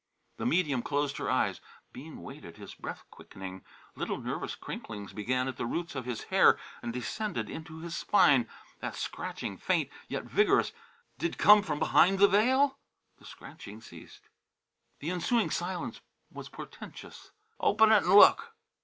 The medium closed her eyes. Bean waited, his breath quickening. Little nervous crinklings began at the roots of his hair and descended his spine that scratching, faint, yet vigorous, did it come from beyond the veil? The scratching ceased. The ensuing silence was portentous. "Open it and look!"